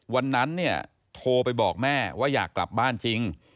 วันนั้นเนี่ยโทรไปบอกแม่ว่าอยากกลับบ้านจริง